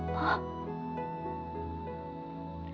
hai bang menyebabkan